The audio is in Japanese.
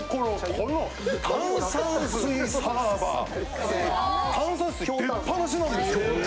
この炭酸水サーバー炭酸水出っぱなしなんです。